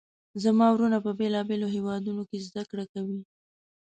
زما وروڼه په بیلابیلو هیوادونو کې زده کړه کوي